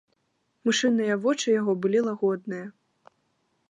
Мышыныя вочы яго былі лагодныя.